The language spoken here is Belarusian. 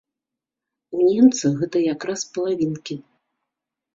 У немца гэта якраз палавінкі.